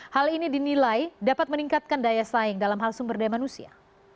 hal ini dinilai dapat meningkatkan daya saing dalam hal sumber daya manusia